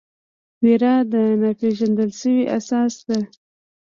ویره د ناپېژندل شوي احساس ده.